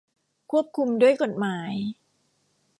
ควบคุมด้วยกฎหมาย